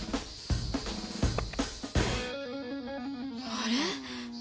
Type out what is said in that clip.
あれ？